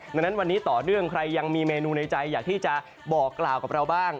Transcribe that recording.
ดังนั้นวันนี้ต่อเนื่องใครยังมีเมนูในใจอยากที่จะบอกกล่าวกับเราบ้าง